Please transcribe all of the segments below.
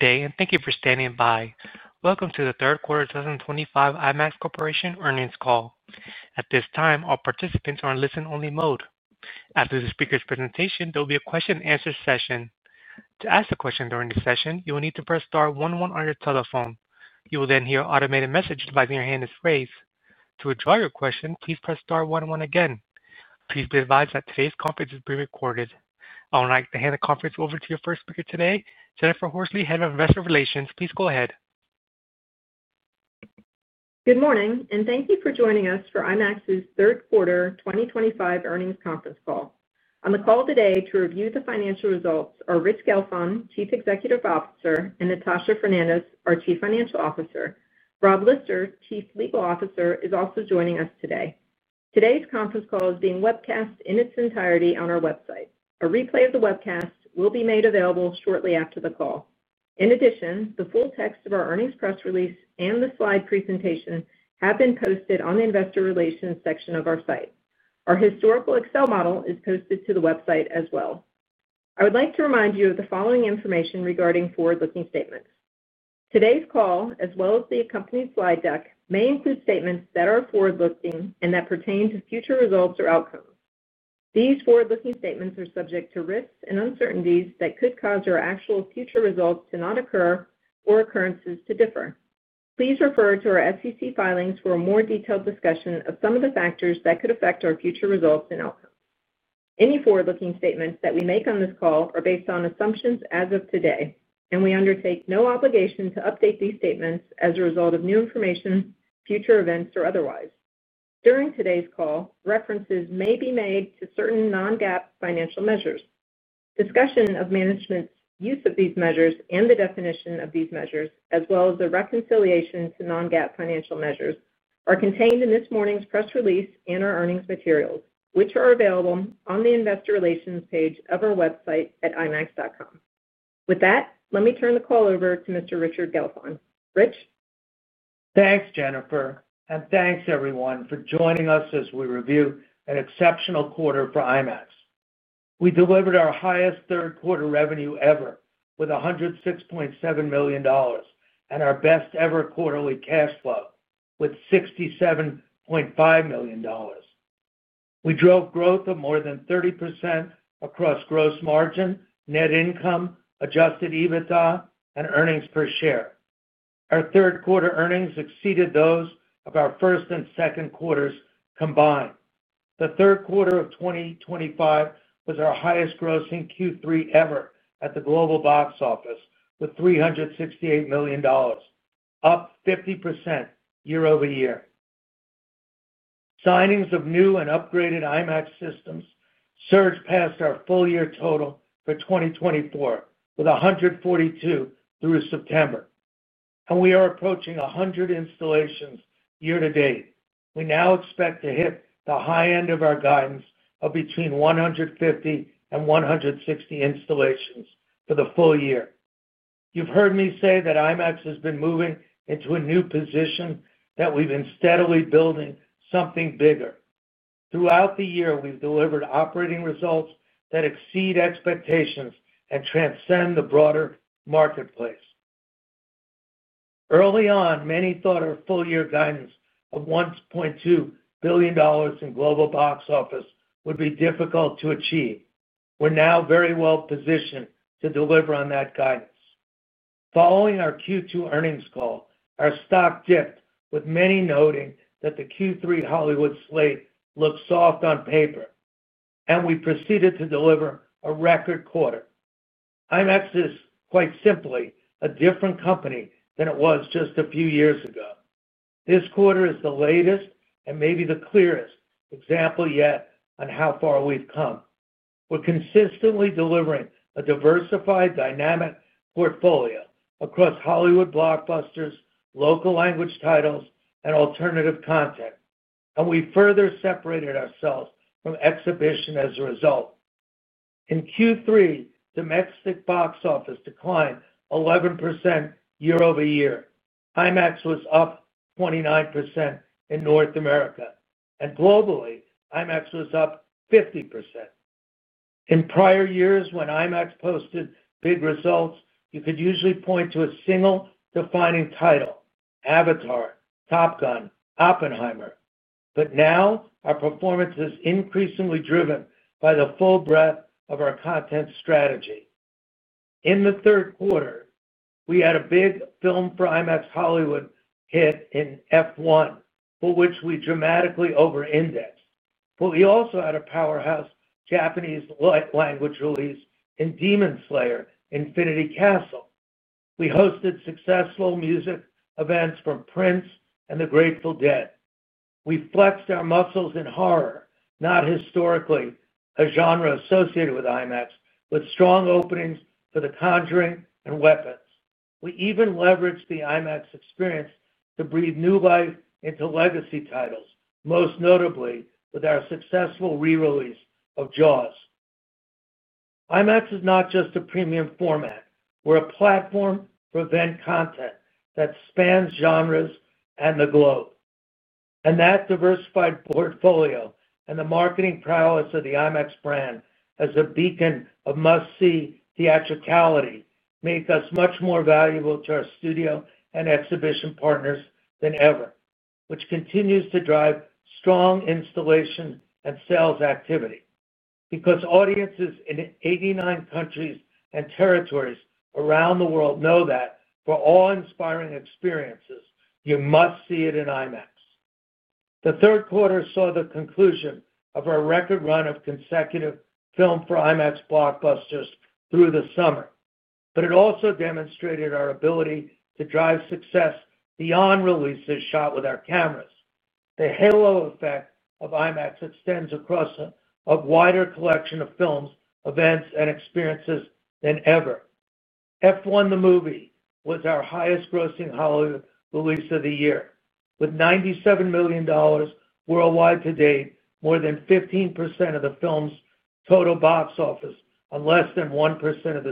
Good day and thank you for standing by. Welcome to the third quarter 2025 IMAX Corporation earnings call. At this time, all participants are in listen-only mode. After the speaker's presentation, there will be a question-and-answer session. To ask a question during the session, you will need to press star one-one on your telephone. You will then hear an automated message advising your hand is raised. To withdraw your question, please press star one-one again. Please be advised that today's conference is being recorded. I would like to hand the conference over to your first speaker today, Jennifer Horsley, Head of Investor Relations. Please go ahead. Good morning and thank you for joining us for IMAX Corporation's third quarter 2025 earnings conference call. On the call today to review the financial results are Rich Gelfond, Chief Executive Officer, and Natasha Fernandes, our Chief Financial Officer. Rob Lister, Chief Legal Officer, is also joining us today. Today's conference call is being webcast in its entirety on our website. A replay of the webcast will be made available shortly after the call. In addition, the full text of our earnings press release and the slide presentation have been posted on the Investor Relations section of our site. Our historical Excel model is posted to the website as well. I would like to remind you of the following information regarding forward-looking statements. Today's call, as well as the accompanying slide deck, may include statements that are forward-looking and that pertain to future results or outcomes. These forward-looking statements are subject to risks and uncertainties that could cause your actual future results to not occur or occurrences to differ. Please refer to our SEC filings for a more detailed discussion of some of the factors that could affect our future results and outcomes. Any forward-looking statements that we make on this call are based on assumptions as of today, and we undertake no obligation to update these statements as a result of new information, future events, or otherwise. During today's call, references may be made to certain non-GAAP financial measures. Discussion of management's use of these measures and the definition of these measures, as well as the reconciliation to non-GAAP financial measures, are contained in this morning's press release and our earnings materials, which are available on the Investor Relations page of our website at imax.com. With that, let me turn the call over to Mr. Rich Gelfond. Rich? Thanks, Jennifer, and thanks, everyone, for joining us as we review an exceptional quarter for IMAX. We delivered our highest third-quarter revenue ever with $106.7 million and our best-ever quarterly cash flow with $67.5 million. We drove growth of more than 30% across gross margin, net income, adjusted EBITDA, and earnings per share. Our third-quarter earnings exceeded those of our first and second quarters combined. The third quarter of 2025 was our highest grossing Q3 ever at the global box office with $368 million, up 50% year over year. Signings of new and upgraded IMAX systems surged past our full-year total for 2024 with 142 through September, and we are approaching 100 installations year to date. We now expect to hit the high end of our guidance of between 150 and 160 installations for the full year. You've heard me say that IMAX has been moving into a new position, that we've been steadily building something bigger. Throughout the year, we've delivered operating results that exceed expectations and transcend the broader marketplace. Early on, many thought our full-year guidance of $1.2 billion in global box office would be difficult to achieve. We're now very well positioned to deliver on that guidance. Following our Q2 earnings call, our stock dipped, with many noting that the Q3 Hollywood slate looked soft on paper, and we proceeded to deliver a record quarter. IMAX is, quite simply, a different company than it was just a few years ago. This quarter is the latest and maybe the clearest example yet on how far we've come. We're consistently delivering a diversified, dynamic portfolio across Hollywood blockbusters, local language titles, and alternative content, and we further separated ourselves from exhibition as a result. In Q3, the Mexican box office declined 11% year over year. IMAX was up 29% in North America, and globally, IMAX was up 50%. In prior years, when IMAX posted big results, you could usually point to a single defining title: Avatar, Top Gun, Oppenheimer. Now, our performance is increasingly driven by the full breadth of our content strategy. In the third quarter, we had a big film for IMAX Hollywood hit in F1, for which we dramatically over-indexed. We also had a powerhouse Japanese light language release in Demon Slayer: Infinity Castle. We hosted successful music events from Prince and The Grateful Dead. We flexed our muscles in horror, not historically a genre associated with IMAX, with strong openings for The Conjuring and Weapons. We even leveraged The IMAX Experience to breathe new life into legacy titles, most notably with our successful re-release of Jaws. IMAX is not just a premium format. We're a platform for event content that spans genres and the globe. That diversified portfolio and the marketing prowess of the IMAX brand as a beacon of must-see theatricality make us much more valuable to our studio and exhibition partners than ever, which continues to drive strong installation and sales activity. Audiences in 89 countries and territories around the world know that for awe-inspiring experiences, you must see it in IMAX. The third quarter saw the conclusion of our record run of consecutive Filmed For IMAX blockbusters through the summer, but it also demonstrated our ability to drive success beyond releases shot with our cameras. The halo effect of IMAX extends across a wider collection of films, events, and experiences than ever. F1: The Movie was our highest-grossing Hollywood release of the year, with $97 million worldwide to date, more than 15% of the film's total box office on less than 1% of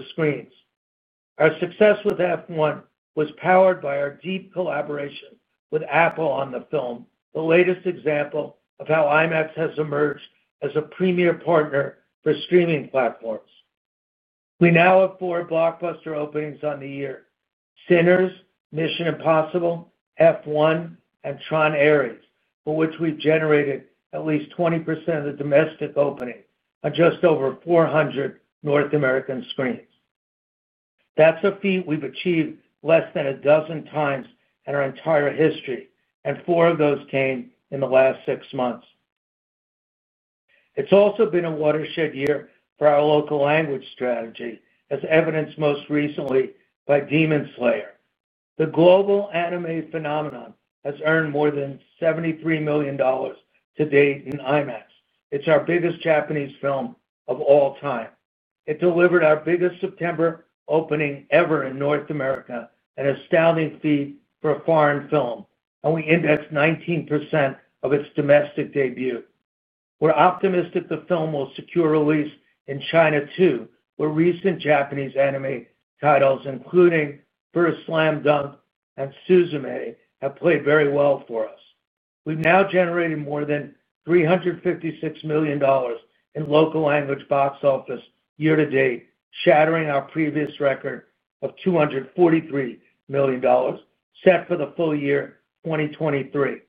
the screens. Our success with F1 was powered by our deep collaboration with Apple on the film, the latest example of how IMAX has emerged as a premier partner for streaming platforms. We now have four blockbuster openings on the year: Sinners, Mission Impossible, F1, and Tron Aries, for which we've generated at least 20% of the domestic opening on just over 400 North American screens. That's a feat we've achieved less than a dozen times in our entire history, and four of those came in the last six months. It's also been a watershed year for our local language strategy, as evidenced most recently by Demon Slayer. The global anime phenomenon has earned more than $73 million to date in IMAX. It's our biggest Japanese film of all time. It delivered our biggest September opening ever in North America, an astounding feat for a foreign film, and we indexed 19% of its domestic debut. We're optimistic the film will secure a release in China too, where recent Japanese anime titles, including First Slam Dunk and Suzume, have played very well for us. We've now generated more than $356 million in local language box office year to date, shattering our previous record of $243 million set for the full year 2023.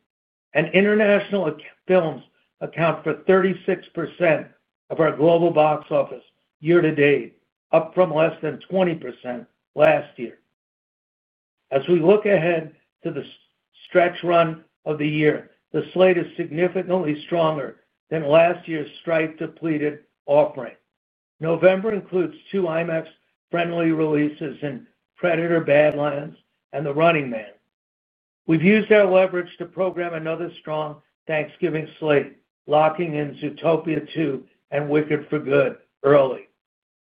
International films account for 36% of our global box office year to date, up from less than 20% last year. As we look ahead to the stretch run of the year, the slate is significantly stronger than last year's stripped, depleted offering. November includes two IMAX-friendly releases in Predator: Badlands and The Running Man. We have used our leverage to program another strong Thanksgiving slate, locking in Zootopia 2 and Wicked for Good early.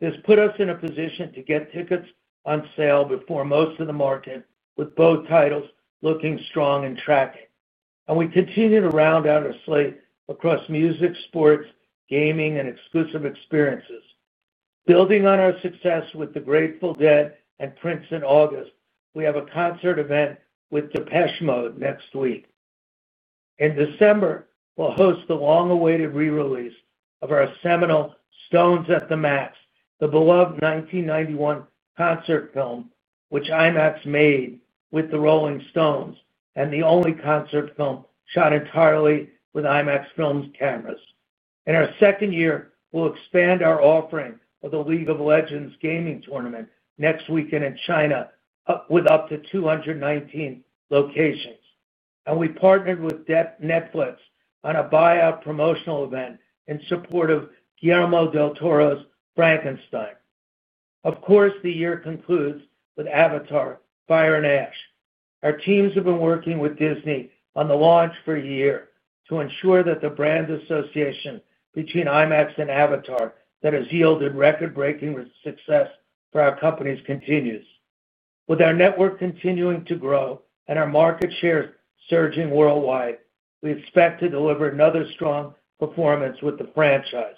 This put us in a position to get tickets on sale before most of the market, with both titles looking strong and tracking. We continue to round out our slate across music, sports, gaming, and exclusive experiences. Building on our success with The Grateful Dead and Prince in August, we have a concert event with Depeche Mode next week. In December, we will host the long-awaited re-release of our seminal Stones at the Max, the beloved 1991 concert film which IMAX made with The Rolling Stones, and the only concert film shot entirely with IMAX Films cameras. In our second year, we will expand our offering of the League of Legends gaming tournament next weekend in China, with up to 219 locations. We partnered with Netflix on a buyout promotional event in support of Guillermo del Toro's Frankenstein. Of course, the year concludes with Avatar: Fire and Ash. Our teams have been working with Disney on the launch for a year to ensure that the brand association between IMAX and Avatar, that has yielded record-breaking success for our companies, continues. With our network continuing to grow and our market shares surging worldwide, we expect to deliver another strong performance with the franchise.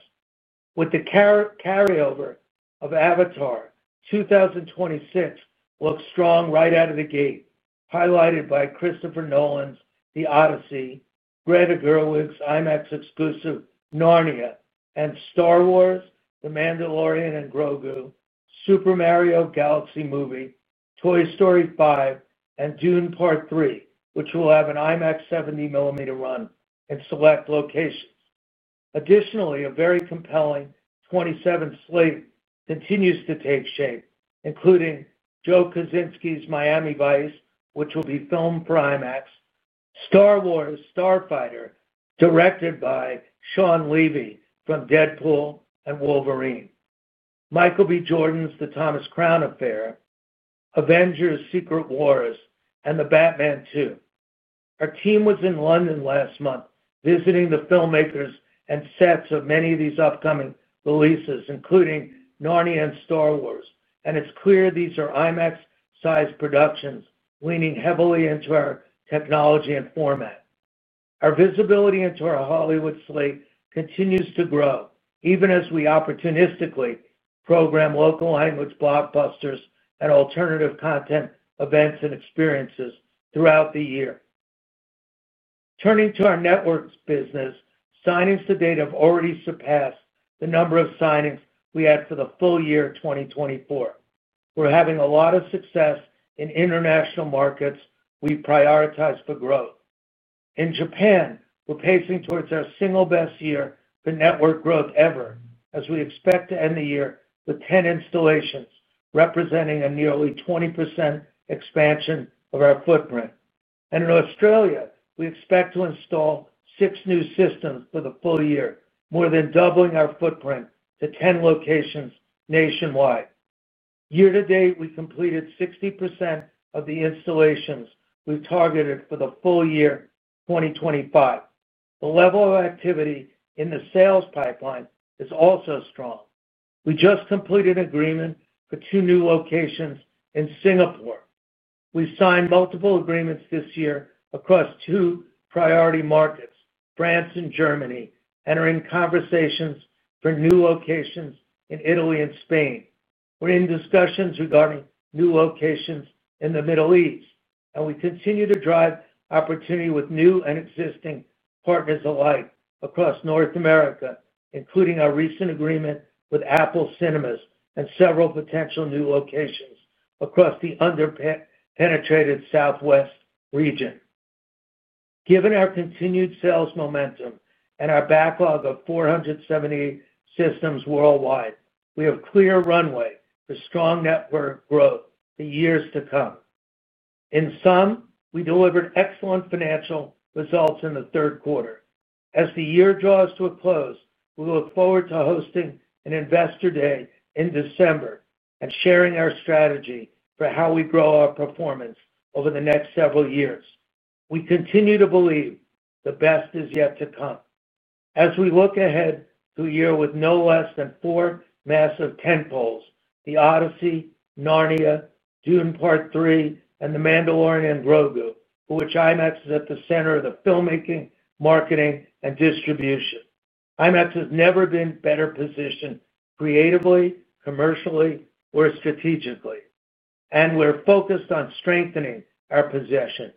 With the carryover of Avatar, 2026 looks strong right out of the gate, highlighted by Christopher Nolan's The Odyssey, Greta Gerwig's IMAX exclusive Narnia, and Star Wars: The Mandalorian and Grogu, Super Mario Galaxy Movie, Toy Story 5, and Dune: Part Three, which will have an IMAX 70-millimeter run in select locations. Additionally, a very compelling 2027 slate continues to take shape, including Joe Kaczynski's Miami Vice, which will be Filmed For IMAX, Star Wars: Starfighter, directed by Shawn Levy from Deadpool and Wolverine, Michael B. Jordan's The Thomas Crown Affair, Avengers: Secret Wars, and The Batman 2. Our team was in London last month visiting the filmmakers and sets of many of these upcoming releases, including Narnia and Star Wars, and it's clear these are IMAX-sized productions leaning heavily into our technology and format. Our visibility into our Hollywood slate continues to grow, even as we opportunistically program local language blockbusters and alternative content events and experiences throughout the year. Turning to our networks business, signings to date have already surpassed the number of signings we had for the full year 2024. We're having a lot of success in international markets we prioritize for growth. In Japan, we're pacing towards our single best year for network growth ever, as we expect to end the year with 10 installations, representing a nearly 20% expansion of our footprint. In Australia, we expect to install six new systems for the full year, more than doubling our footprint to 10 locations nationwide. Year to date, we completed 60% of the installations we've targeted for the full year 2025. The level of activity in the sales pipeline is also strong. We just completed an agreement for two new locations in Singapore. We signed multiple agreements this year across two priority markets, France and Germany, and are in conversations for new locations in Italy and Spain. We're in discussions regarding new locations in the Middle East, and we continue to drive opportunity with new and existing partners alike across North America, including our recent agreement with Apple Cinemas and several potential new locations across the underpenetrated Southwest region. Given our continued sales momentum and our backlog of 470 systems worldwide, we have clear runway for strong network growth for years to come. In sum, we delivered excellent financial results in the third quarter. As the year draws to a close, we look forward to hosting an Investor Day in December and sharing our strategy for how we grow our performance over the next several years. We continue to believe the best is yet to come. As we look ahead to a year with no less than four massive tentpoles: The Odyssey, Narnia, Dune: Part Three, and The Mandalorian and Grogu, for which IMAX is at the center of the filmmaking, marketing, and distribution. IMAX has never been better positioned creatively, commercially, or strategically, and we're focused on strengthening our position,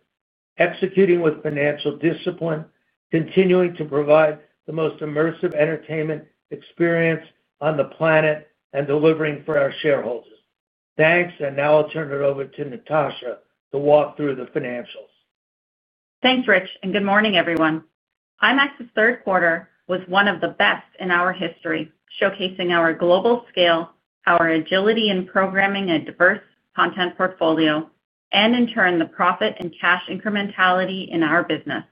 executing with financial discipline, continuing to provide the most immersive entertainment experience on the planet, and delivering for our shareholders. Thanks, and now I'll turn it over to Natasha to walk through the financials. Thanks, Rich, and good morning, everyone. IMAX's third quarter was one of the best in our history, showcasing our global scale, our agility in programming a diverse content portfolio, and in turn, the profit and cash incrementality in our business.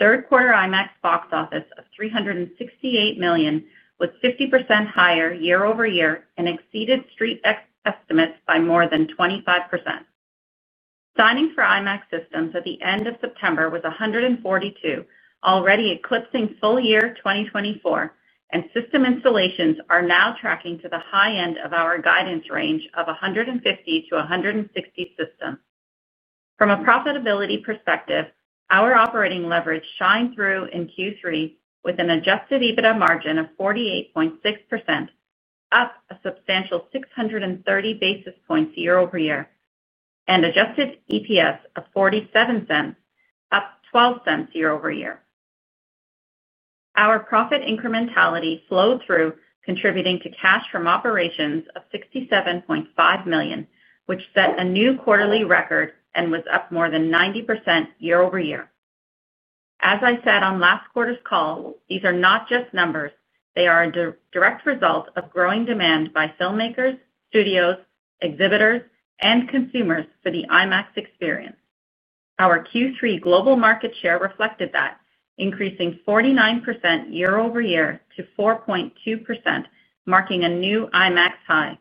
Third-quarter IMAX box office of $368 million was 50% higher year over year and exceeded StreetX's estimates by more than 25%. Signing for IMAX systems at the end of September was 142, already eclipsing full year 2024, and system installations are now tracking to the high end of our guidance range of 150 to 160 systems. From a profitability perspective, our operating leverage shined through in Q3 with an adjusted EBITDA margin of 48.6%, up a substantial 630 basis points year over year, and adjusted EPS of $0.47, up $0.12 year over year. Our profit incrementality flowed through, contributing to cash from operations of $67.5 million, which set a new quarterly record and was up more than 90% year over year. As I said on last quarter's call, these are not just numbers; they are a direct result of growing demand by filmmakers, studios, exhibitors, and consumers for the IMAX experience. Our Q3 global market share reflected that, increasing 49% year over year to 4.2%, marking a new IMAX high.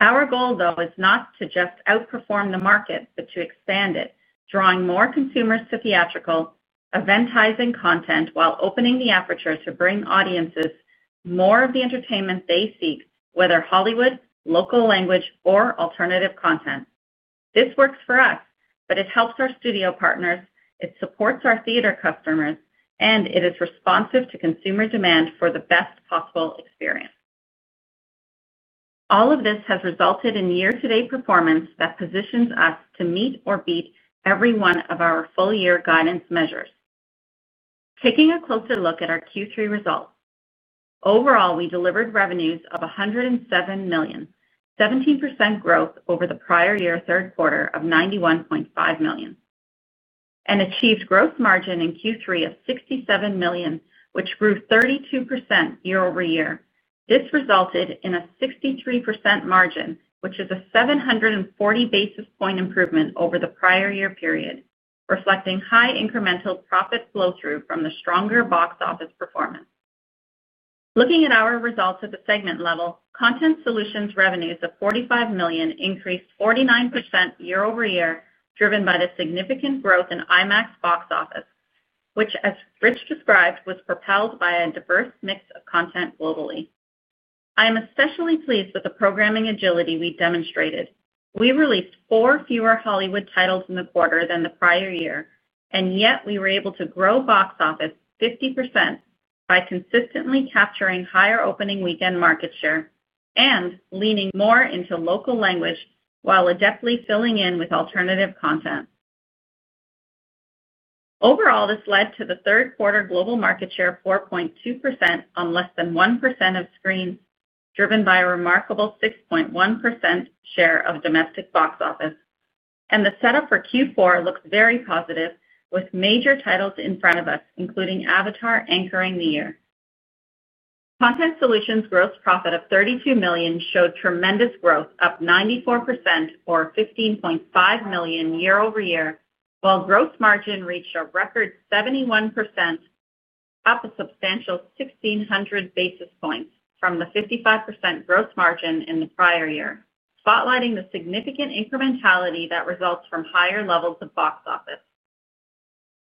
Our goal, though, is not to just outperform the market but to expand it, drawing more consumers to theatrical, eventizing content while opening the aperture to bring audiences more of the entertainment they seek, whether Hollywood, local language, or alternative content. This works for us, but it helps our studio partners, it supports our theater customers, and it is responsive to consumer demand for the best possible experience. All of this has resulted in year-to-date performance that positions us to meet or beat every one of our full-year guidance measures. Taking a closer look at our Q3 results, overall, we delivered revenues of $107 million, 17% growth over the prior year third quarter of $91.5 million, and achieved gross margin in Q3 of $67 million, which grew 32% year over year. This resulted in a 63% margin, which is a 740 basis point improvement over the prior year period, reflecting high incremental profit flow-through from the stronger box office performance. Looking at our results at the segment level, content solutions revenues of $45 million increased 49% year over year, driven by the significant growth in IMAX box office, which, as Rich described, was propelled by a diverse mix of content globally. I am especially pleased with the programming agility we demonstrated. We released four fewer Hollywood titles in the quarter than the prior year, yet we were able to grow box office 50% by consistently capturing higher opening weekend market share and leaning more into local language while adeptly filling in with alternative content. Overall, this led to the third quarter global market share of 4.2% on less than 1% of screens, driven by a remarkable 6.1% share of domestic box office. The setup for Q4 looks very positive, with major titles in front of us, including Avatar anchoring the year. Content solutions gross profit of $32 million showed tremendous growth, up 94% or $15.5 million year over year, while gross margin reached a record 71%, up a substantial 1,600 basis points from the 55% gross margin in the prior year, spotlighting the significant incrementality that results from higher levels of box office.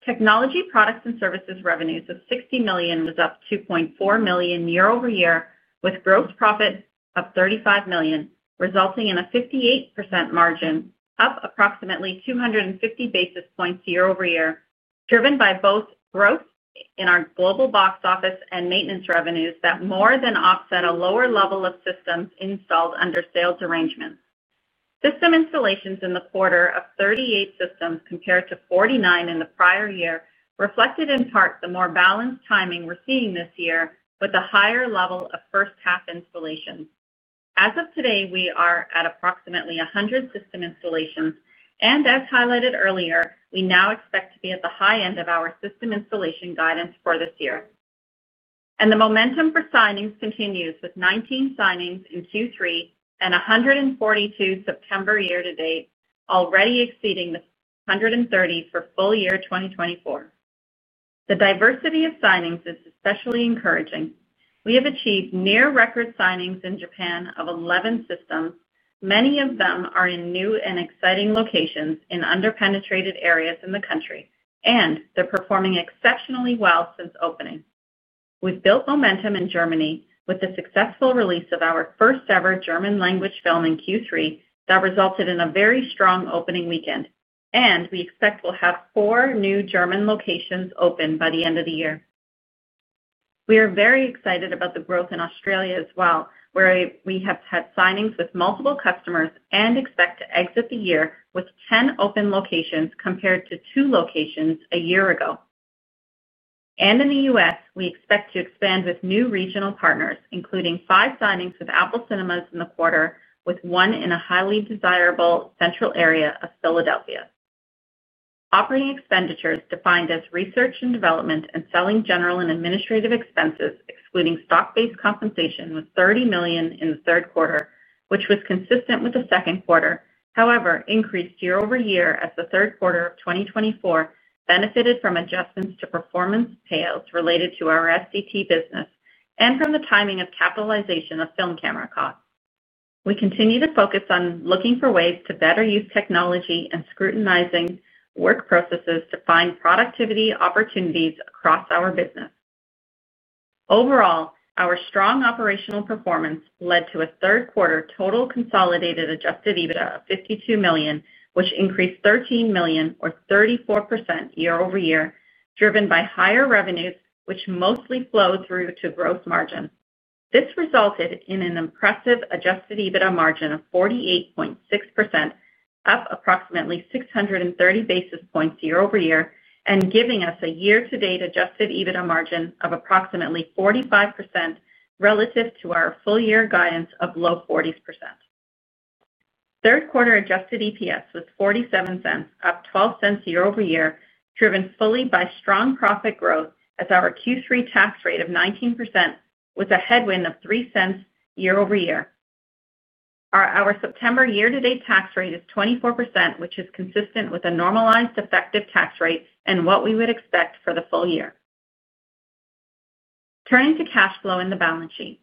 Technology products and services revenues of $60 million is up $2.4 million year over year, with gross profit of $35 million, resulting in a 58% margin, up approximately 250 basis points year over year, driven by both growth in our global box office and maintenance revenues that more than offset a lower level of systems installed under sales arrangements. System installations in the quarter of 38 systems compared to 49 in the prior year reflected in part the more balanced timing we're seeing this year with a higher level of first-half installations. As of today, we are at approximately 100 system installations, and as highlighted earlier, we now expect to be at the high end of our system installation guidance for this year. The momentum for signings continues with 19 signings in Q3 and 142 September year to date, already exceeding the 130 for full year 2024. The diversity of signings is especially encouraging. We have achieved near-record signings in Japan of 11 systems. Many of them are in new and exciting locations in underpenetrated areas in the country, and they're performing exceptionally well since opening. We've built momentum in Germany with the successful release of our first-ever German language film in Q3 that resulted in a very strong opening weekend, and we expect we'll have four new German locations open by the end of the year. We are very excited about the growth in Australia as well, where we have had signings with multiple customers and expect to exit the year with 10 open locations compared to two locations a year ago. In the U.S., we expect to expand with new regional partners, including five signings with Apple Cinemas in the quarter, with one in a highly desirable central area of Philadelphia. Operating expenditures defined as research and development and selling, general, and administrative expenses, excluding stock-based compensation, was $30 million in the third quarter, which was consistent with the second quarter. However, it increased year over year as the third quarter of 2024 benefited from adjustments to performance payouts related to our STT business and from the timing of capitalization of film camera costs. We continue to focus on looking for ways to better use technology and scrutinizing work processes to find productivity opportunities across our business. Overall, our strong operational performance led to a third-quarter total consolidated adjusted EBITDA of $52 million, which increased $13 million or 34% year over year, driven by higher revenues, which mostly flowed through to gross margins. This resulted in an impressive adjusted EBITDA margin of 48.6%, up approximately 630 basis points year over year, and giving us a year-to-date adjusted EBITDA margin of approximately 45% relative to our full-year guidance of low 40%. Third-quarter adjusted EPS was $0.47, up $0.12 year over year, driven fully by strong profit growth as our Q3 tax rate of 19% was a headwind of $0.03 year over year. Our September year-to-date tax rate is 24%, which is consistent with a normalized effective tax rate and what we would expect for the full year. Turning to cash flow and the balance sheet,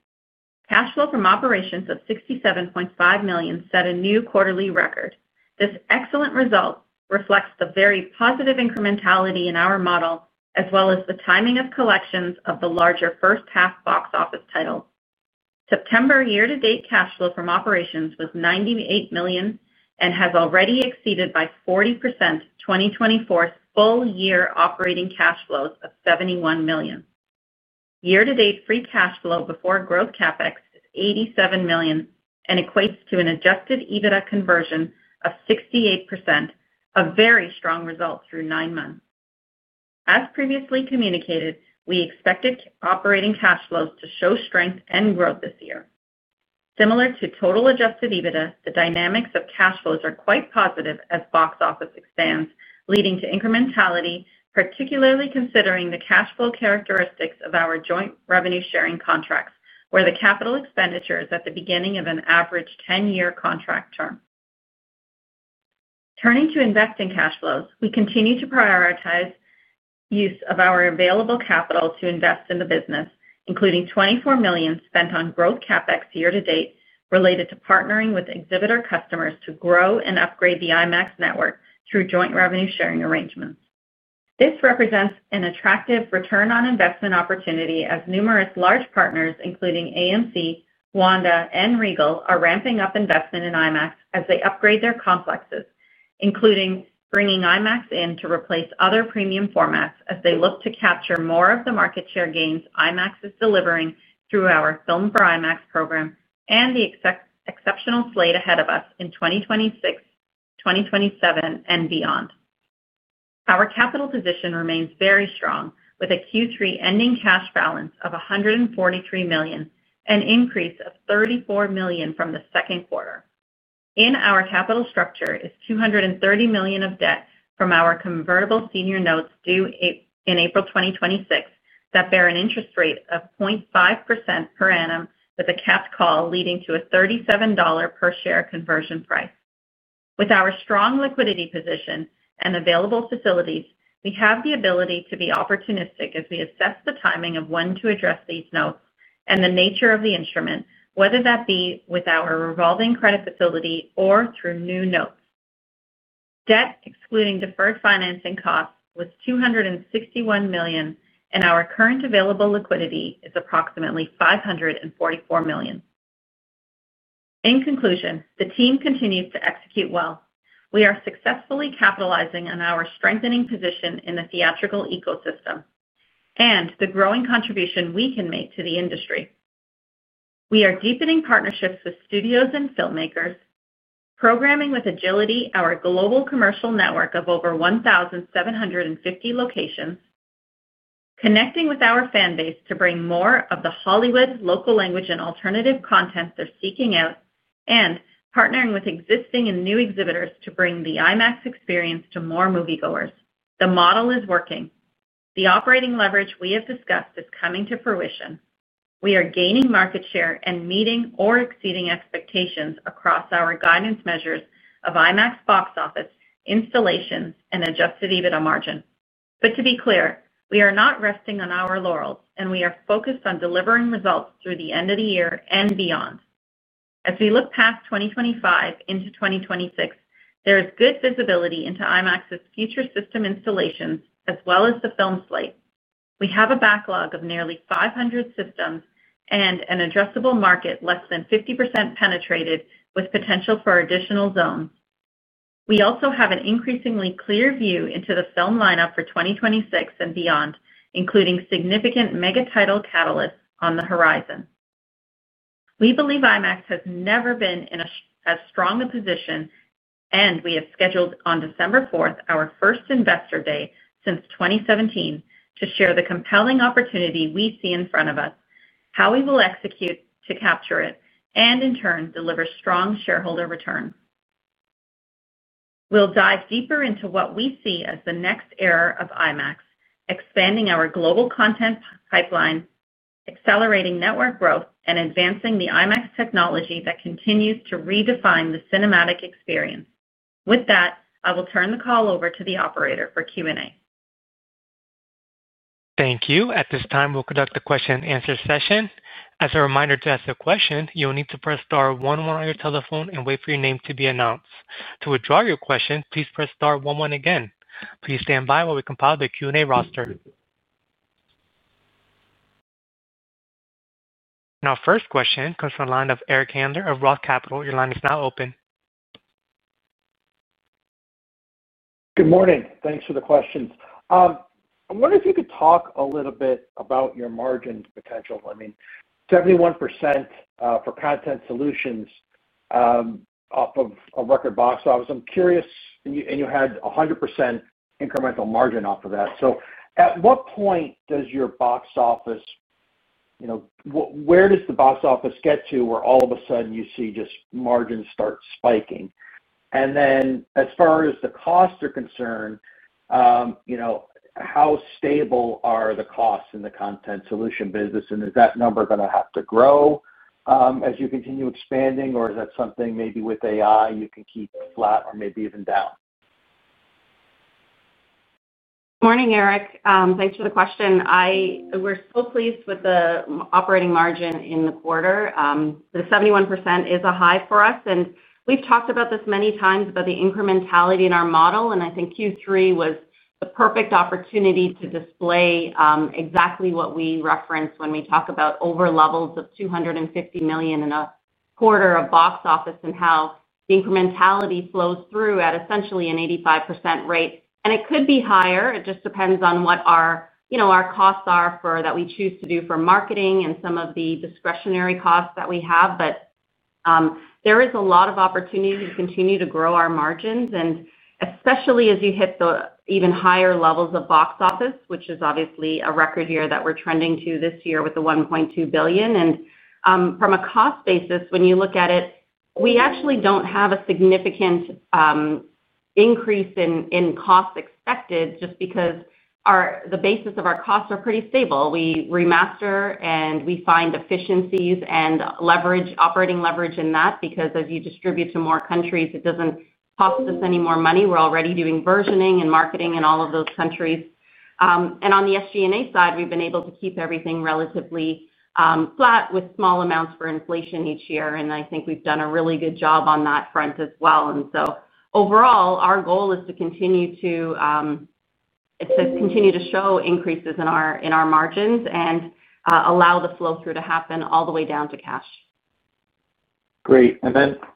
cash flow from operations of $67.5 million set a new quarterly record. This excellent result reflects the very positive incrementality in our model, as well as the timing of collections of the larger first-half box office titles. September year-to-date cash flow from operations was $98 million and has already exceeded by 40% 2024's full-year operating cash flows of $71 million. Year-to-date free cash flow before gross CAPEX is $87 million and equates to an adjusted EBITDA conversion of 68%, a very strong result through nine months. As previously communicated, we expected operating cash flows to show strength and growth this year. Similar to total adjusted EBITDA, the dynamics of cash flows are quite positive as box office expands, leading to incrementality, particularly considering the cash flow characteristics of our joint revenue-sharing contracts, where the capital expenditure is at the beginning of an average 10-year contract term. Turning to investing cash flows, we continue to prioritize the use of our available capital to invest in the business, including $24 million spent on gross CapEx year to date related to partnering with exhibitor customers to grow and upgrade the IMAX network through joint revenue-sharing arrangements. This represents an attractive return on investment opportunity as numerous large partners, including AMC, Wanda, and Regal, are ramping up investment in IMAX as they upgrade their complexes, including bringing IMAX in to replace other premium formats as they look to capture more of the market share gains IMAX is delivering through our Filmed For IMAX program and the exceptional slate ahead of us in 2026, 2027, and beyond. Our capital position remains very strong, with a Q3 ending cash balance of $143 million, an increase of $34 million from the second quarter. In our capital structure is $230 million of debt from our convertible senior notes due in April 2026 that bear an interest rate of 0.5% per annum, with a capped call leading to a $37 per share conversion price. With our strong liquidity position and available facilities, we have the ability to be opportunistic as we assess the timing of when to address these notes and the nature of the instrument, whether that be with our revolving credit facility or through new notes. Debt, excluding deferred financing costs, was $261 million, and our current available liquidity is approximately $544 million. In conclusion, the team continues to execute well. We are successfully capitalizing on our strengthening position in the theatrical ecosystem and the growing contribution we can make to the industry. We are deepening partnerships with studios and filmmakers, programming with agility our global commercial network of over 1,750 locations, connecting with our fan base to bring more of the Hollywood local language and alternative content they're seeking out, and partnering with existing and new exhibitors to bring The IMAX Experience to more moviegoers. The model is working. The operating leverage we have discussed is coming to fruition. We are gaining market share and meeting or exceeding expectations across our guidance measures of IMAX box office, installations, and adjusted EBITDA margin. To be clear, we are not resting on our laurels, and we are focused on delivering results through the end of the year and beyond. As we look past 2025 into 2026, there is good visibility into IMAX's future system installations as well as the film slate. We have a backlog of nearly 500 systems and an addressable market less than 50% penetrated with potential for additional zones. We also have an increasingly clear view into the film lineup for 2026 and beyond, including significant mega-title catalysts on the horizon. We believe IMAX has never been in as strong a position, and we have scheduled on December 4 our first Investor Day since 2017 to share the compelling opportunity we see in front of us, how we will execute to capture it, and in turn deliver strong shareholder returns. We'll dive deeper into what we see as the next era of IMAX, expanding our global content pipeline, accelerating network growth, and advancing the IMAX technology that continues to redefine the cinematic experience. With that, I will turn the call over to the operator for Q&A. Thank you. At this time, we'll conduct the question-and-answer session. As a reminder, to ask a question, you'll need to press star one-one on your telephone and wait for your name to be announced. To withdraw your question, please press star one-one again. Please stand by while we compile the Q&A roster. Our first question comes from the line of Eric Handler of Roth Capital. Your line is now open. Good morning. Thanks for the questions. I wonder if you could talk a little bit about your margin potential. I mean, 71% for content solutions off of a record box office. I'm curious, and you had 100% incremental margin off of that. At what point does your box office, you know, where does the box office get to where all of a sudden you see just margins start spiking? As far as the costs are concerned, you know, how stable are the costs in the content solutions business, and is that number going to have to grow as you continue expanding, or is that something maybe with AI you can keep flat or maybe even down? Morning, Eric. Thanks for the question. We're so pleased with the operating margin in the quarter. The 71% is a high for us, and we've talked about this many times about the incrementality in our model. I think Q3 was the perfect opportunity to display exactly what we reference when we talk about over-levels of $250 million in a quarter of box office and how the incrementality flows through at essentially an 85% rate. It could be higher. It just depends on what our, you know, our costs are for that we choose to do for marketing and some of the discretionary costs that we have. There is a lot of opportunity to continue to grow our margins, especially as you hit the even higher levels of box office, which is obviously a record year that we're trending to this year with the $1.2 billion. From a cost basis, when you look at it, we actually don't have a significant increase in costs expected just because the basis of our costs are pretty stable. We remaster and we find efficiencies and leverage operating leverage in that because as you distribute to more countries, it doesn't cost us any more money. We're already doing versioning and marketing in all of those countries. On the SG&A side, we've been able to keep everything relatively flat with small amounts for inflation each year, and I think we've done a really good job on that front as well. Overall, our goal is to continue to show increases in our margins and allow the flow-through to happen all the way down to cash. Great.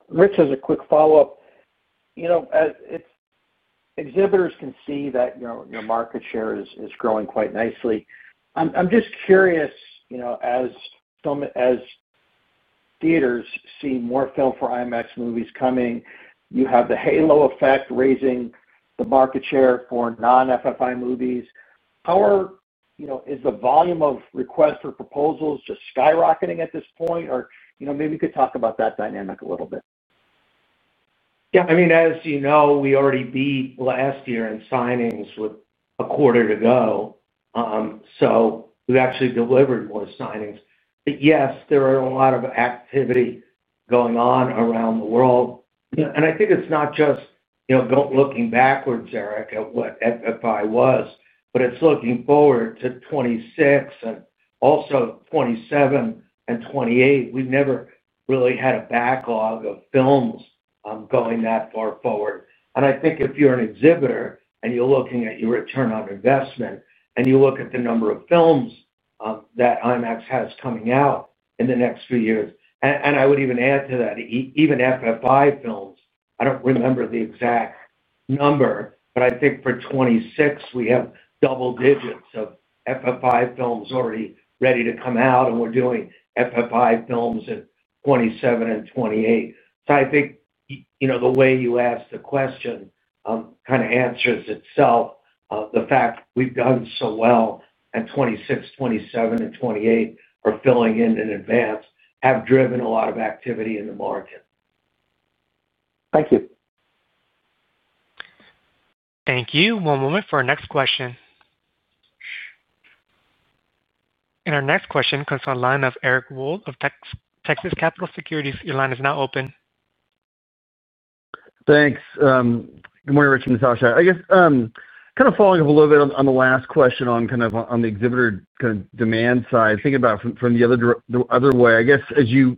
Rich has a quick follow-up. Exhibitors can see that your market share is growing quite nicely. I'm just curious, as theaters see more Filmed For IMAX movies coming, you have the halo effect raising the market share for non-FFI movies. How is the volume of requests for proposals just skyrocketing at this point? Maybe you could talk about that dynamic a little bit. Yeah. I mean, as you know, we already beat last year in system signings with a quarter to go. We've actually delivered more signings. Yes, there is a lot of activity going on around the world. I think it's not just, you know, looking backwards, Eric, at what FFI was, but it's looking forward to 2026 and also 2027 and 2028. We've never really had a backlog of films going that far forward. I think if you're an exhibitor and you're looking at your return on investment and you look at the number of films that IMAX has coming out in the next few years, I would even add to that, even FFI films, I don't remember the exact number, but I think for 2026, we have double digits of FFI films already ready to come out, and we're doing FFI films in 2027 and 2028. I think, you know, the way you asked the question kind of answers itself. The fact we've done so well at 2026, 2027, and 2028 for filling in in advance have driven a lot of activity in the market. Thank you. Thank you. One moment for our next question. Our next question comes from the line of Eric Wold of Texas Capital Securities. Your line is now open. Thanks. Good morning, Rich and Natasha. I guess, kind of following up a little bit on the last question on kind of on the exhibitor kind of demand side, thinking about from the other way, I guess, as you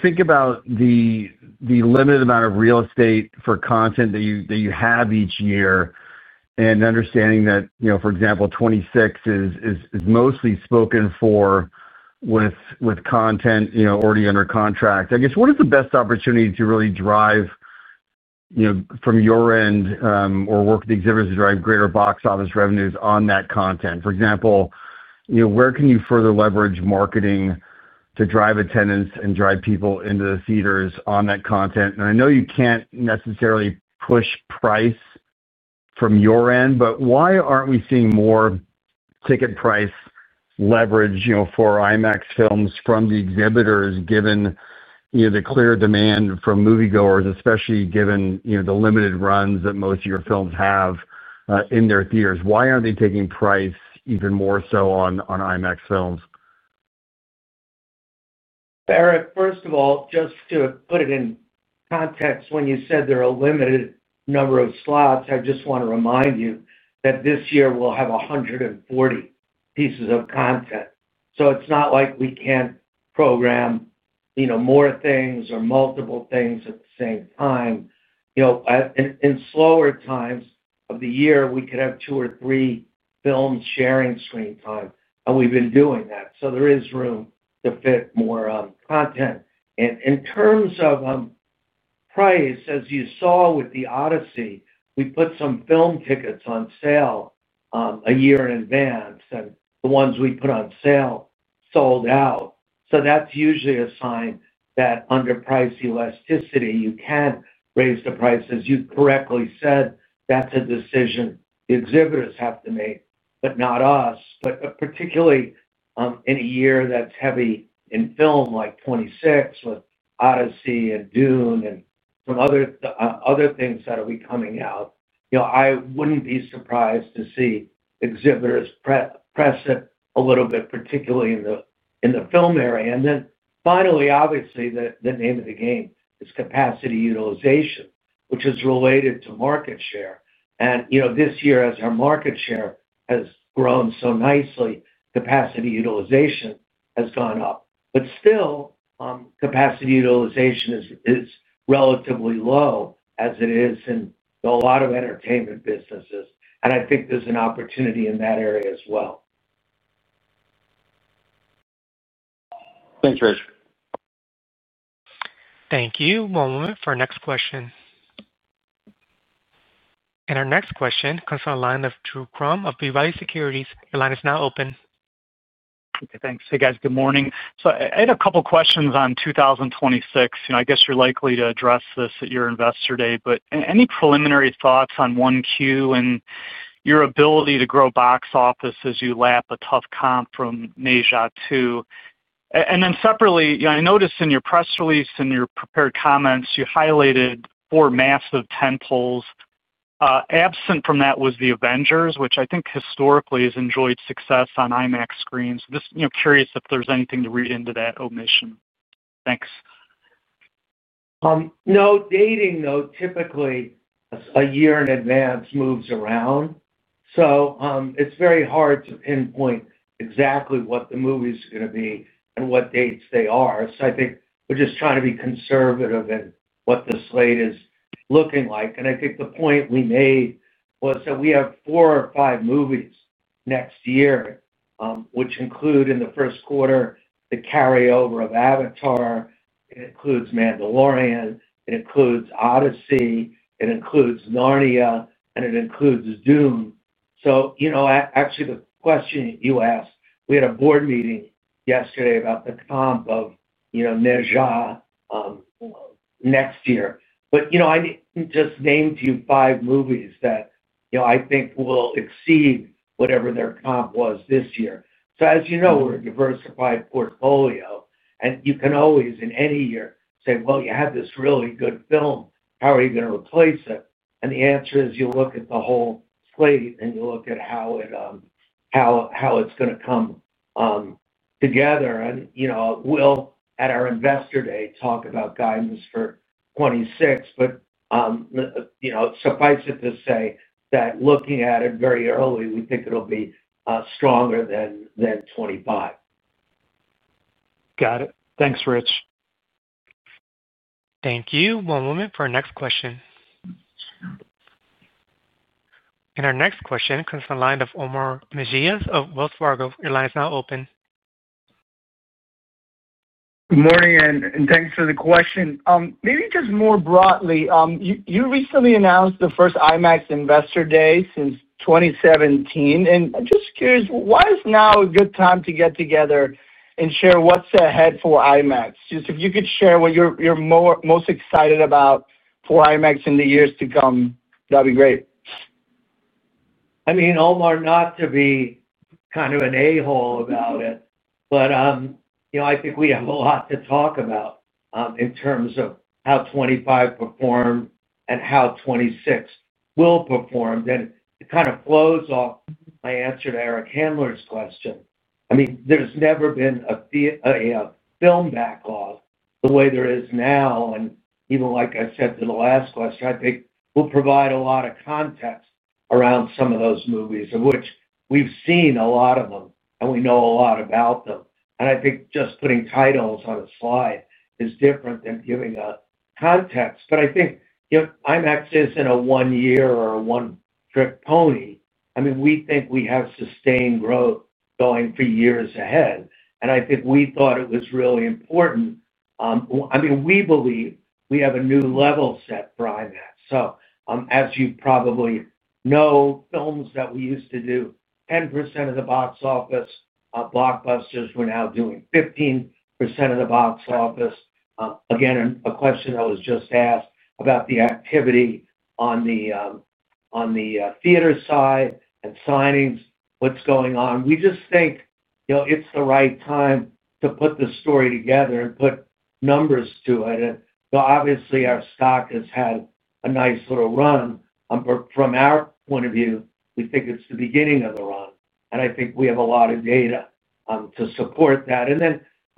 think about the limited amount of real estate for content that you have each year and understanding that, you know, for example, 2026 is mostly spoken for with content, you know, already under contract, I guess, what is the best opportunity to really drive, you know, from your end or work with the exhibitors to drive greater box office revenues on that content? For example, you know, where can you further leverage marketing to drive attendance and drive people into the theaters on that content? I know you can't necessarily push price from your end, but why aren't we seeing more ticket price leverage, you know, for IMAX films from the exhibitors given, you know, the clear demand from moviegoers, especially given, you know, the limited runs that most of your films have, in their theaters? Why aren't they taking price even more so on IMAX films? Eric, first of all, just to put it in context, when you said there are a limited number of slots, I just want to remind you that this year we'll have 140 pieces of content. It's not like we can't program more things or multiple things at the same time. In slower times of the year, we could have two or three films sharing screen time, and we've been doing that. There is room to fit more content. In terms of price, as you saw with The Odyssey, we put some film tickets on sale a year in advance, and the ones we put on sale sold out. That's usually a sign that under price elasticity, you can raise the prices. You correctly said that's a decision the exhibitors have to make, but not us. Particularly, in a year that's heavy in film, like 2026 with The Odyssey and Dune and some other things that will be coming out, I wouldn't be surprised to see exhibitors press it a little bit, particularly in the film area. Finally, obviously, the name of the game is capacity utilization, which is related to market share. This year, as our market share has grown so nicely, capacity utilization has gone up. Still, capacity utilization is relatively low as it is in a lot of entertainment businesses. I think there's an opportunity in that area as well. Thanks, Rich. Thank you. One moment for our next question. Our next question comes from the line of Drew Crum of Vivai Securities. Your line is now open. Okay. Thanks. Hey, guys. Good morning. I had a couple of questions on 2026. I guess you're likely to address this at your Investor Day, but any preliminary thoughts on 1Q and your ability to grow box office as you lap a tough comp from NAJA too? Separately, I noticed in your press release and your prepared comments, you highlighted four massive tentpoles. Absent from that was The Avengers, which I think historically has enjoyed success on IMAX screens. Just curious if there's anything to read into that omission. Thanks. No. Dating though, typically, a year in advance moves around. It's very hard to pinpoint exactly what the movies are going to be and what dates they are. I think we're just trying to be conservative in what the slate is looking like. I think the point we made was that we have four or five movies next year, which include in the first quarter the carryover of Avatar: Fire and Ash. It includes The Mandalorian and Grogu. It includes The Odyssey. It includes Narnia. It includes Dune: Part Three. Actually, the question you asked, we had a board meeting yesterday about the comp of North America next year. I just named you five movies that I think will exceed whatever their comp was this year. As you know, we're a diversified portfolio. You can always, in any year, say, "You had this really good film. How are you going to replace it?" The answer is you look at the whole slate, and you look at how it, how it's going to come together. At our Investor Day, we'll talk about guidance for 2026. Suffice it to say that looking at it very early, we think it'll be stronger than 2025. Got it. Thanks, Rich. Thank you. One moment for our next question. Our next question comes from the line of Omar Mezias of Wells Fargo. Your line is now open. Good morning, and thanks for the question. Maybe just more broadly, you recently announced the first IMAX Investor Day since 2017. I'm just curious, why is now a good time to get together and share what's ahead for IMAX? If you could share what you're most excited about for IMAX in the years to come, that'd be great. I mean, Omar, not to be kind of an a-hole about it, but you know, I think we have a lot to talk about in terms of how 2025 performed and how 2026 will perform. It kind of flows off my answer to Eric Handler's question. There's never been a film backlog the way there is now. Like I said to the last question, I think we'll provide a lot of context around some of those movies, of which we've seen a lot of them, and we know a lot about them. I think just putting titles on a slide is different than giving a context. IMAX isn't a one-year or a one-trick pony. We think we have sustained growth going for years ahead. We thought it was really important. We believe we have a new level set for IMAX. As you probably know, films that we used to do 10% of the box office, blockbusters, we're now doing 15% of the box office. A question that was just asked about the activity on the theater side and signings, what's going on. We just think it's the right time to put the story together and put numbers to it. Obviously, our stock has had a nice little run, but from our point of view, we think it's the beginning of the run. We have a lot of data to support that.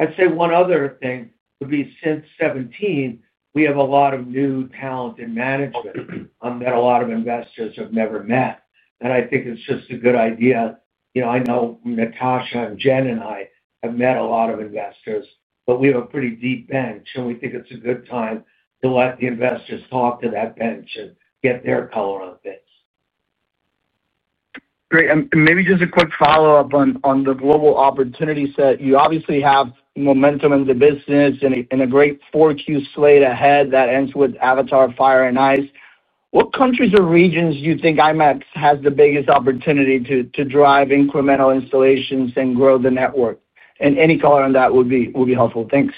I'd say one other thing would be since 2017, we have a lot of new talent in management that a lot of investors have never met. I think it's just a good idea. I know Natasha and Jen and I have met a lot of investors, but we have a pretty deep bench, and we think it's a good time to let the investors talk to that bench and get their color on things. Great. Maybe just a quick follow-up on the global opportunity set. You obviously have momentum in the business and a great 4Q slate ahead that ends with Avatar: Fire and Ash. What countries or regions do you think IMAX has the biggest opportunity to drive incremental installations and grow the network? Any color on that would be helpful. Thanks.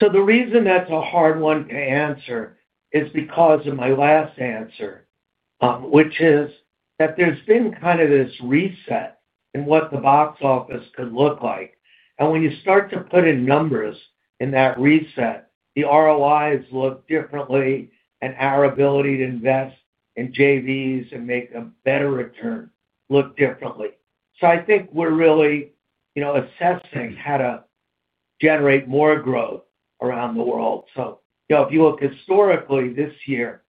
The reason that's a hard one to answer is because of my last answer, which is that there's been kind of this reset in what the box office could look like. When you start to put in numbers in that reset, the ROIs look differently and our ability to invest in JVs and make a better return look differently. I think we're really, you know, assessing how to generate more growth around the world. If you look historically this year,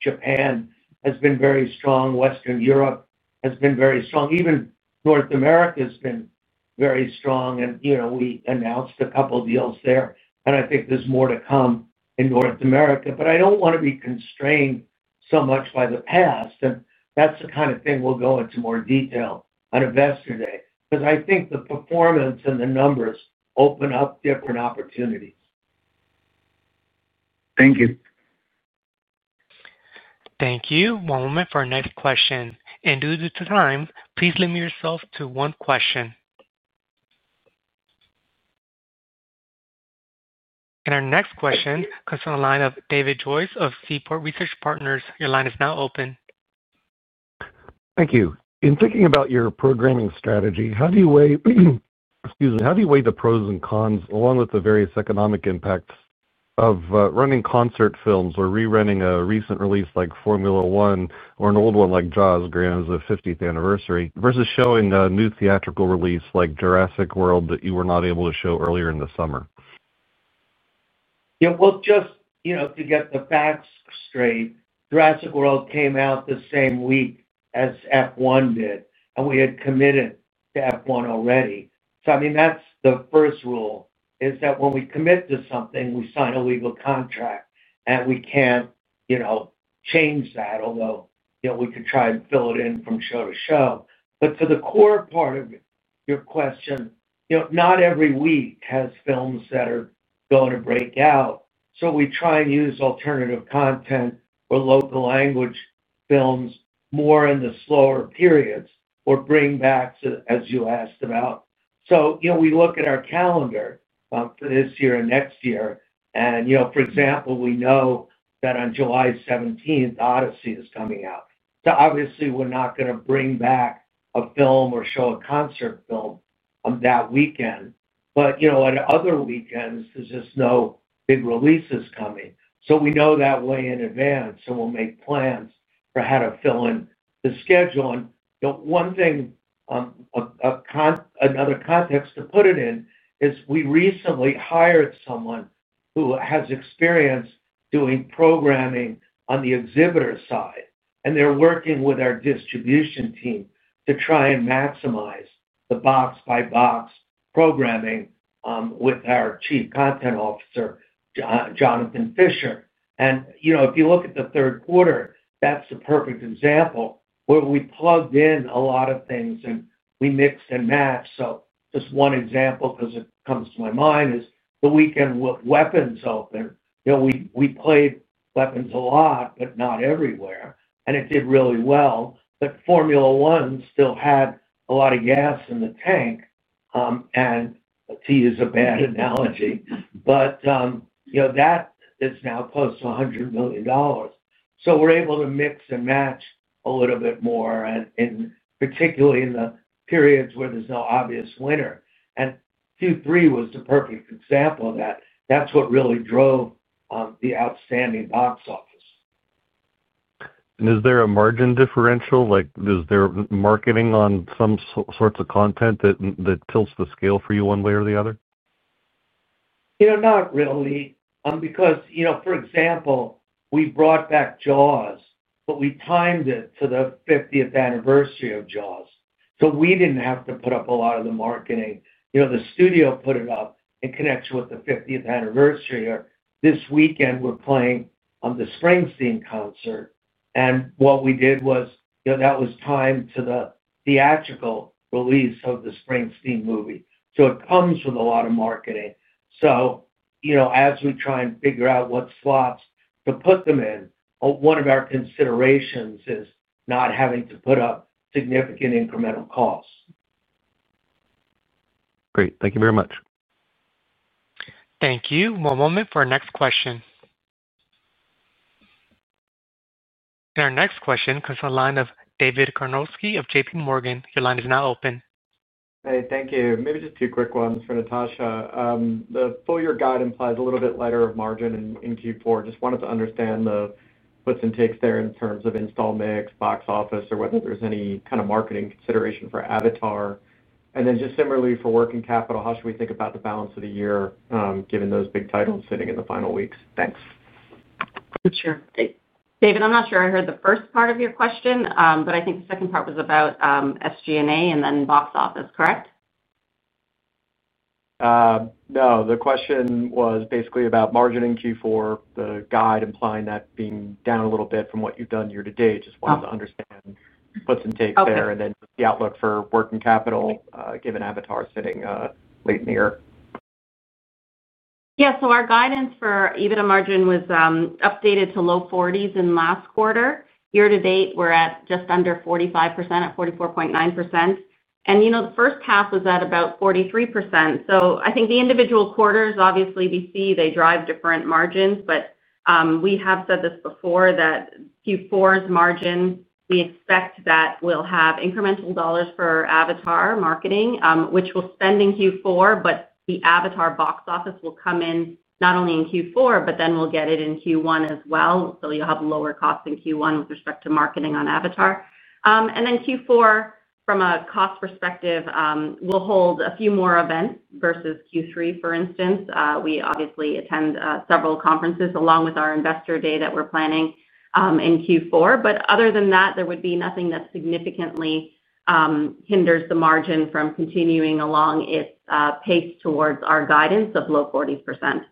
Japan has been very strong. Western Europe has been very strong. Even North America has been very strong. We announced a couple of deals there. I think there's more to come in North America. I don't want to be constrained so much by the past. That's the kind of thing we'll go into more detail on Investor Day because I think the performance and the numbers open up different opportunities. Thank you. Thank you. One moment for our next question. Due to the time, please limit yourself to one question. Our next question comes from the line of David Joyce of Seaport Research Partners. Your line is now open. Thank you. In thinking about your programming strategy, how do you weigh the pros and cons along with the various economic impacts of running concert films or rerunning a recent release like Formula One or an old one like Jaws, Grands of 50th anniversary, versus showing a new theatrical release like Jurassic World that you were not able to show earlier in the summer? Yeah. Just, you know, to get the facts straight, Jurassic World came out the same week as F1 did, and we had committed to F1 already. That's the first rule: when we commit to something, we sign a legal contract, and we can't, you know, change that, although we could try and fill it in from show to show. To the core part of your question, not every week has films that are going to break out. We try and use alternative content or local language films more in the slower periods or bring back, as you asked about. We look at our calendar for this year and next year. For example, we know that on July 17, The Odyssey is coming out. Obviously, we're not going to bring back a film or show a concert film that weekend. At other weekends, there's just no big releases coming. We know that way in advance, and we'll make plans for how to fill in the schedule. One thing, another context to put it in, is we recently hired someone who has experience doing programming on the exhibitor side. They're working with our distribution team to try and maximize the box-by-box programming, with our Chief Content Officer, Jonathan Fischer. If you look at the third quarter, that's a perfect example where we plugged in a lot of things, and we mix and match. Just one example because it comes to my mind is the weekend with Weapons Open. We played Weapons a lot, but not everywhere. It did really well. Formula One still had a lot of gas in the tank, and tea is a bad analogy. That is now close to $100 million. We're able to mix and match a little bit more, particularly in the periods where there's no obvious winner. Q3 was the perfect example of that. That's what really drove the outstanding box office. Is there a margin differential? Is there marketing on some sorts of content that tilts the scale for you one way or the other? You know, not really, because, you know, for example, we brought back Jaws, but we timed it for the 50th anniversary of Jaws. We didn't have to put up a lot of the marketing. The studio put it up in connection with the 50th anniversary. This weekend, we're playing on the Springsteen concert, and what we did was, you know, that was timed to the theatrical release of the Springsteen movie. It comes with a lot of marketing. As we try and figure out what slots to put them in, one of our considerations is not having to put up significant incremental costs. Great. Thank you very much. Thank you. One moment for our next question. Our next question comes from the line of David Karnofsky of JP Morgan. Your line is now open. Hey, thank you. Maybe just two quick ones for Natasha. The full-year guidance implies a little bit lighter of margin in Q4. Just wanted to understand the puts and takes there in terms of install mix, box office, or whether there's any kind of marketing consideration for Avatar. Then just similarly for working capital, how should we think about the balance of the year, given those big titles sitting in the final weeks? Thanks. Sure. David, I'm not sure I heard the first part of your question, but I think the second part was about SG&A and then box office, correct? No. The question was basically about margin in Q4, the guide implying that being down a little bit from what you've done year to date. Just wanted to understand puts and takes there, and then the outlook for working capital, given Avatar: Fire and Ash sitting, late in the year. Yeah. Our guidance for EBITDA margin was updated to low 40% in last quarter. Year to date, we're at just under 45% at 44.9%. The first half was at about 43%. The individual quarters, obviously, we see they drive different margins. We have said this before that Q4's margin, we expect that we'll have incremental dollars for Avatar marketing, which we'll spend in Q4, but the Avatar box office will come in not only in Q4, but then we'll get it in Q1 as well. You'll have lower costs in Q1 with respect to marketing on Avatar. Q4, from a cost perspective, will hold a few more events versus Q3, for instance. We obviously attend several conferences along with our Investor Day that we're planning in Q4. Other than that, there would be nothing that significantly hinders the margin from continuing along its pace towards our guidance of low 40%.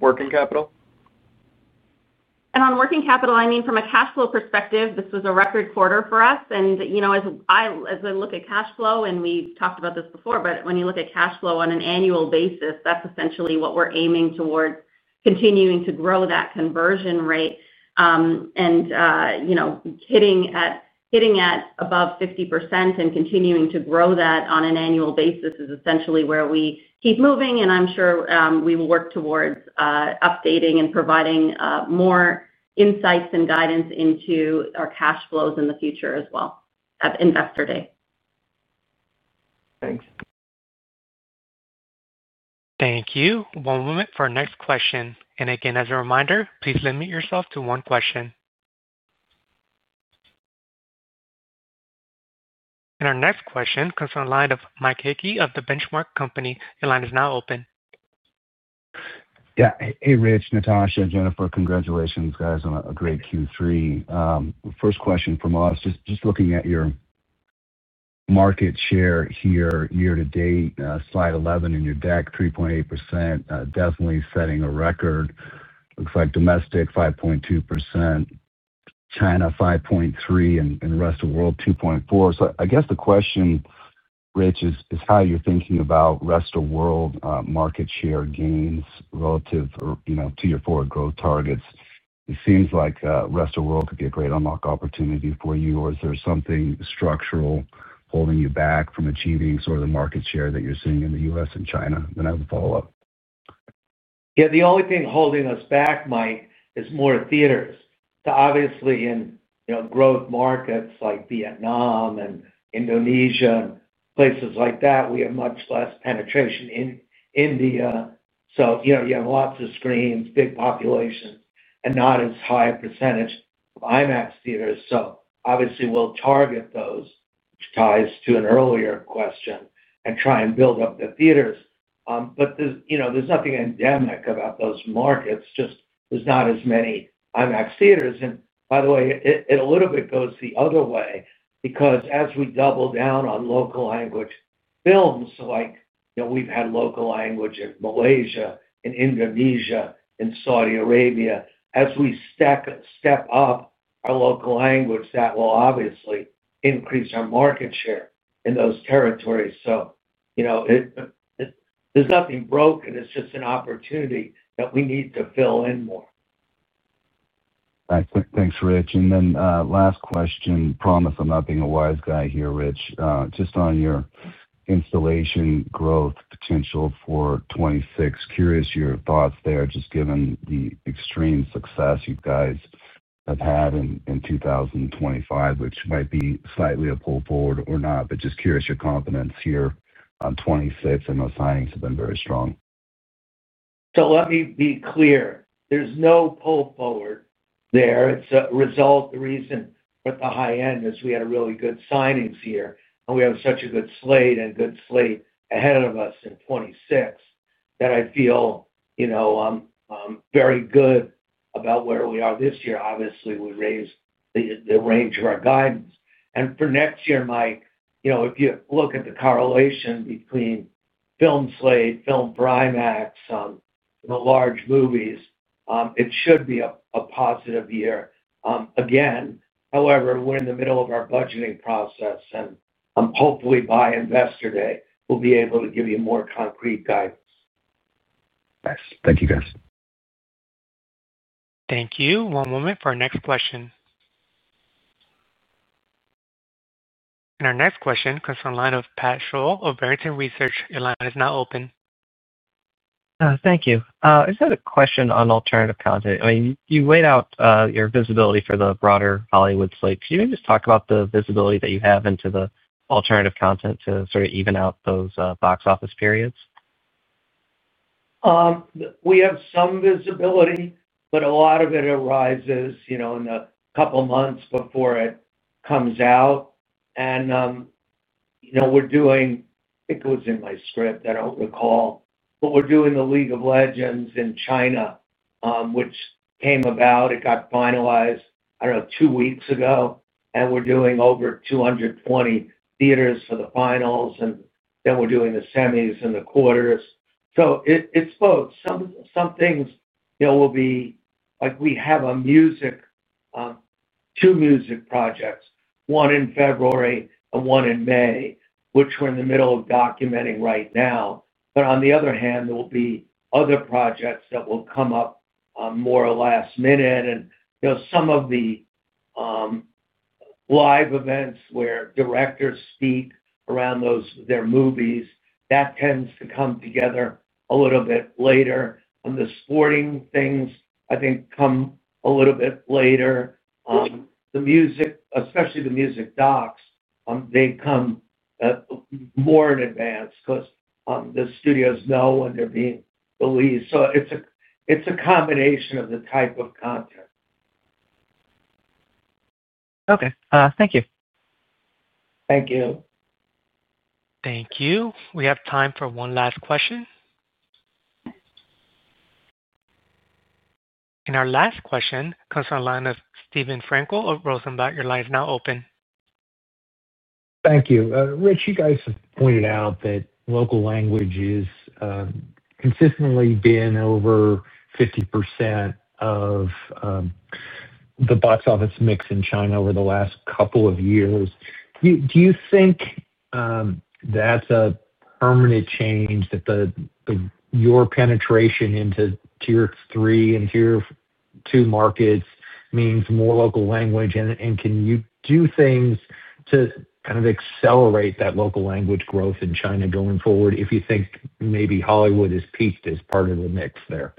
Working capital? On working capital, I mean, from a cash flow perspective, this was a record quarter for us. As I look at cash flow, and we've talked about this before, when you look at cash flow on an annual basis, that's essentially what we're aiming towards, continuing to grow that conversion rate. Hitting at above 50% and continuing to grow that on an annual basis is essentially where we keep moving. I'm sure we will work towards updating and providing more insights and guidance into our cash flows in the future as well at Investor Day. Thanks. Thank you. One moment for our next question. As a reminder, please limit yourself to one question. Our next question comes from the line of Mike Hickey of The Benchmark Company. Your line is now open. Yeah. Hey, Rich, Natasha, Jennifer, congratulations, guys, on a great Q3. First question from us, just looking at your market share here, year to date, slide 11 in your deck, 3.8%, definitely setting a record. Looks like domestic 5.2%, China 5.3%, and the rest of the world 2.4%. I guess the question, Rich, is how you're thinking about rest of the world market share gains relative to your forward growth targets. It seems like rest of the world could be a great unlock opportunity for you, or is there something structural holding you back from achieving sort of the market share that you're seeing in the U.S. and China? I have a follow-up. Yeah. The only thing holding us back, Mike, is more theaters. Obviously, in growth markets like Vietnam and Indonesia and places like that, we have much less penetration in India. You have lots of screens, big populations, and not as high a % of IMAX theaters. Obviously, we'll target those, which ties to an earlier question, and try and build up the theaters. There's nothing endemic about those markets, just there's not as many IMAX theaters. By the way, it a little bit goes the other way because as we double down on local language films, like we've had local language in Malaysia, in Indonesia, in Saudi Arabia, as we step up our local language, that will obviously increase our market share in those territories. There's nothing broken. It's just an opportunity that we need to fill in more. Thanks, Rich. Last question. Promise I'm not being a wise guy here, Rich. Just on your installation growth potential for 2026, curious your thoughts there, just given the extreme success you guys have had in 2025, which might be slightly a pull forward or not. Just curious your confidence here on 2026. I know signings have been very strong. Let me be clear. There's no pull forward there. It's a result of the reason with the high end is we had a really good signings year, and we have such a good slate and a good slate ahead of us in 2026 that I feel, you know, I'm very good about where we are this year. Obviously, we raised the range of our guidance. For next year, Mike, you know, if you look at the correlation between film slate, Filmed For IMAX, you know, large movies, it should be a positive year. Again, however, we're in the middle of our budgeting process, and I'm hopefully by Investor Day, we'll be able to give you more concrete guidance. Thanks. Thank you, guys. Thank you. One moment for our next question. Our next question comes from the line of Pat Scholl of Barrington Research. Your line is now open. Thank you. I just have a question on alternative content. I mean, you laid out your visibility for the broader Hollywood slate. Could you maybe just talk about the visibility that you have into the alternative content to sort of even out those box office periods? We have some visibility, but a lot of it arises in the couple of months before it comes out. We're doing, I think it was in my script, I don't recall, but we're doing The League of Legends in China, which came about. It got finalized, I don't know, two weeks ago. We're doing over 220 theaters for the finals, and then we're doing the semis and the quarters. It's both. Some things will be like we have two music projects, one in February and one in May, which we're in the middle of documenting right now. On the other hand, there will be other projects that will come up, more or less minute. Some of the live events where directors speak around their movies tend to come together a little bit later. The sporting things, I think, come a little bit later. The music, especially the music docs, come more in advance because the studios know when they're being released. It's a combination of the type of content. Okay, thank you. Thank you. Thank you. We have time for one last question. Our last question comes from the line of Stephen Frankel of Rosenblatt. Your line is now open. Thank you. Rich, you guys have pointed out that local language is consistently been over 50% of the box office mix in China over the last couple of years. Do you think that's a permanent change that your penetration into tier three and tier two markets means more local language? Can you do things to kind of accelerate that local language growth in China going forward if you think maybe Hollywood has peaked as part of the mix there?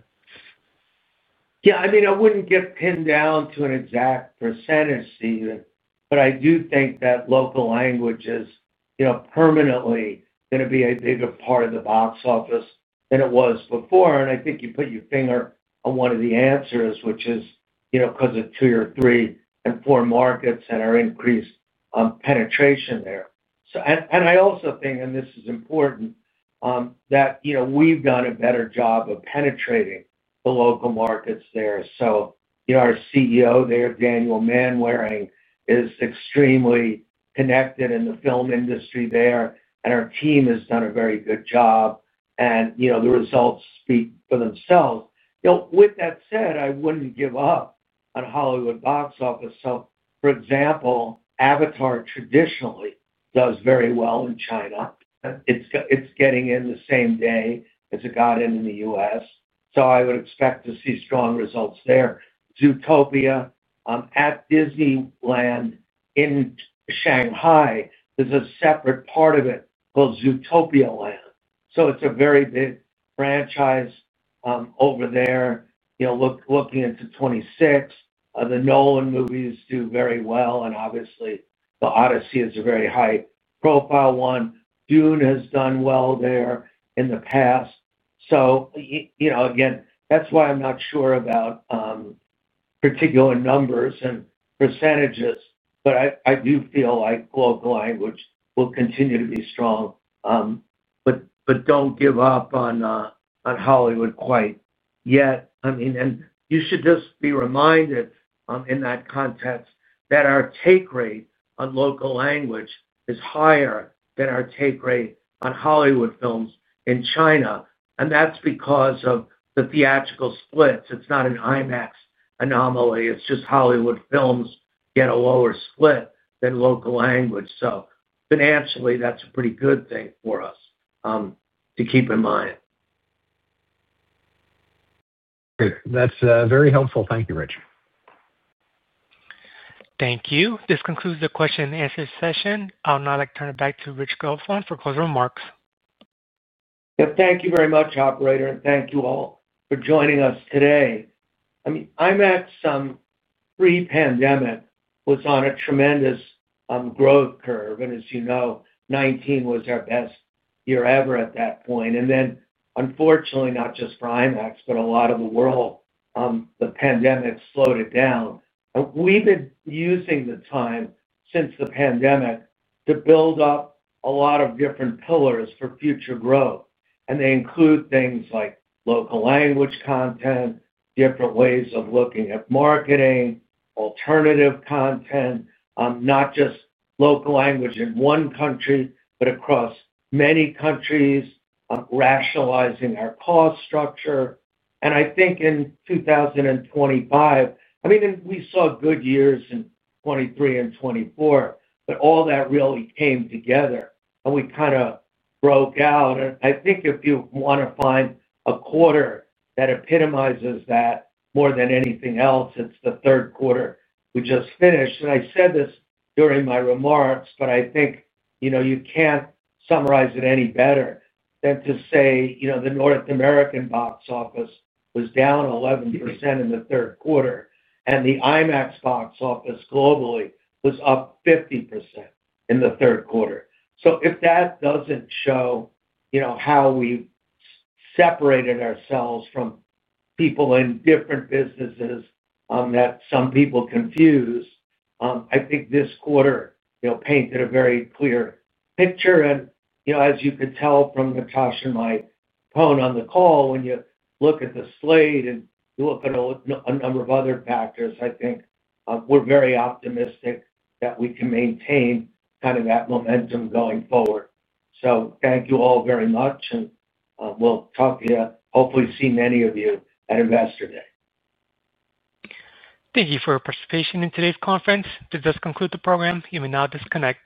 Yeah. I mean, I wouldn't get pinned down to an exact %, Steven, but I do think that local language is, you know, permanently going to be a bigger part of the box office than it was before. I think you put your finger on one of the answers, which is, you know, because of tier three and four markets and our increased penetration there. I also think, and this is important, that we've done a better job of penetrating the local markets there. Our CEO there, Daniel Manwaring, is extremely connected in the film industry there. Our team has done a very good job, and the results speak for themselves. With that said, I wouldn't give up on Hollywood box office. For example, Avatar traditionally does very well in China. It's getting in the same day as it got in in the U.S., so I would expect to see strong results there. Zootopia, at Disneyland in Shanghai, there's a separate part of it called Zootopia Land. It's a very big franchise over there. Looking into 2026, the Nolan movies do very well. Obviously, The Odyssey is a very high-profile one. Dune has done well there in the past. Again, that's why I'm not sure about particular numbers and percentages. I do feel like local language will continue to be strong, but don't give up on Hollywood quite yet. You should just be reminded, in that context, that our take rate on local language is higher than our take rate on Hollywood films in China. That's because of the theatrical splits. It's not an IMAX anomaly. It's just Hollywood films get a lower split than local language. Financially, that's a pretty good thing for us to keep in mind. Okay. That's very helpful. Thank you, Rich. Thank you. This concludes the question and answer session. I'd now like to turn it back to Rich Gelfond for closing remarks. Thank you very much, operator, and thank you all for joining us today. IMAX pre-pandemic was on a tremendous growth curve. As you know, 2019 was our best year ever at that point. Unfortunately, not just for IMAX, but a lot of the world, the pandemic slowed it down. We have been using the time since the pandemic to build up a lot of different pillars for future growth. They include things like local language content, different ways of looking at marketing, alternative content, not just local language in one country, but across many countries, rationalizing our cost structure. I think in 2025, we saw good years in 2023 and 2024, but all that really came together, and we kind of broke out. If you want to find a quarter that epitomizes that more than anything else, it's the third quarter we just finished. I said this during my remarks, but you can't summarize it any better than to say the North American box office was down 11% in the third quarter, and the IMAX box office globally was up 50% in the third quarter. If that doesn't show how we've separated ourselves from people in different businesses that some people confuse, I think this quarter painted a very clear picture. As you could tell from Natasha and my tone on the call, when you look at the slate and you look at a number of other factors, I think we're very optimistic that we can maintain that momentum going forward. Thank you all very much, and we'll talk to you, hopefully see many of you at Investor Day. Thank you for your participation in today's conference. This does conclude the program. You may now disconnect.